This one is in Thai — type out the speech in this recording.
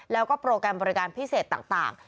แล้วก็โปรแกรมบริการพิเศษต่าง